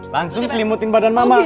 langsung selimutin badan mama